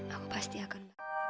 aku pasti akan